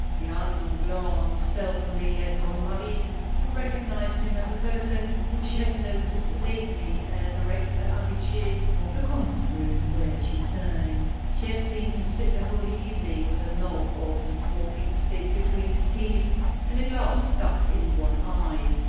The unknown glanced stealthily at Bonne Marie, who recognized him as a person whom she had noticed lately as a regular habitu^ of the concert room where she sang. She had seen him sit the whole evening with the knob of his walking stick between his teeth and a glass stuck in one eye.